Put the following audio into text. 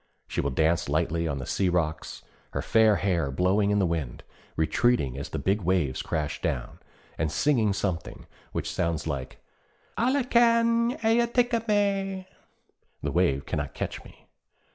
She will dance lightly on the sea rocks, her fair hair blowing in the wind, retreating as the big waves crash down, and singing something which sounds like 'Ala kan eje taka mej!' (The wave cannot catch me!)